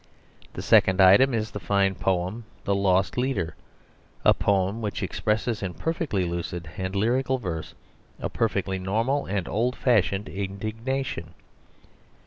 The second item is the fine poem "The Lost Leader," a poem which expresses in perfectly lucid and lyrical verse a perfectly normal and old fashioned indignation.